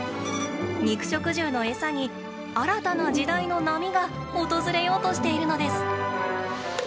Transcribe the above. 肉食獣の餌に、新たな時代の波が訪れようとしているのです！